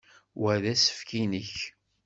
Wa d asefk i nekk?